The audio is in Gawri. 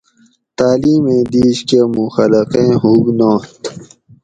تعلیمیں دِیش کہ مُوں خلقیں ہُوب نات